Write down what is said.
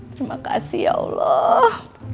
terima kasih ya allah